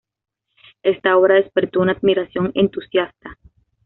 Esta obra despertó una admiración entusiasta.